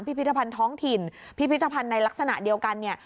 พิพิธภัณฑ์ท้องถิ่นพิพิธภัณฑ์ในลักษณะเดียวกันเนี่ย